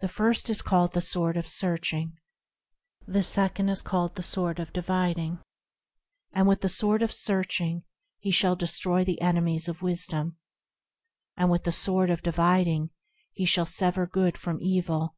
The first is called the Sword of Searching, And the second is called the Sword of Dividing; And with the Sword of Searching he shall destroy the enemies of Wisdom, And with the Sword of Dividing he shall sever Good from evil.